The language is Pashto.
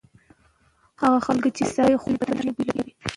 هغه خلک چې سابه خوړلي بدن یې ښه بوی لري.